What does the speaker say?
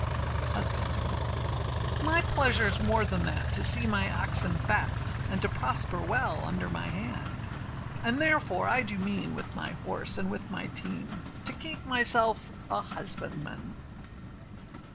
HUSBANDMAN. My pleasureâs more than that to see my oxen fat, And to prosper well under my hand; And therefore I do mean, with my horse, and with my team, To keep myself a husbandman.